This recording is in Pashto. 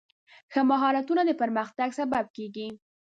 ښه مهارتونه د پرمختګ سبب کېږي.